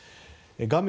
画面